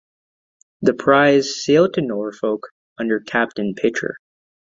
The prize sailed to Norfolk under Captain Pitcher.